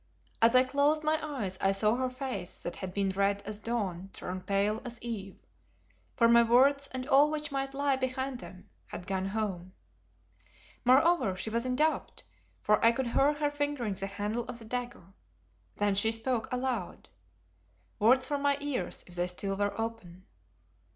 As I closed my eyes I saw her face that had been red as dawn turn pale as eve, for my words and all which might lie behind them, had gone home. Moreover, she was in doubt, for I could hear her fingering the handle of the dagger. Then she spoke aloud, words for my ears if they still were open.